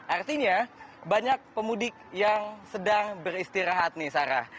artinya banyak pemudik yang sedang beristirahat nih sarah